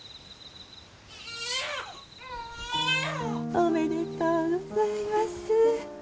おめでとうございます。